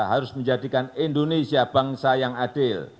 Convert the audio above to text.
harus menjadikan indonesia bangsa yang adil